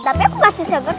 tapi aku masih seger tuh